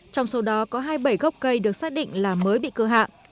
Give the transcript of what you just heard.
trong số đó có hai mươi bảy gốc cây được xác định là mới bị cưa hạ